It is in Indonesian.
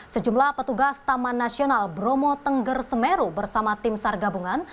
sejumlah petugas taman nasional bromo tengger semeru bersama tim sar gabungan